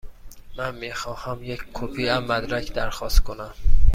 من می خواهم یک کپی از مدرک درخواست کنم.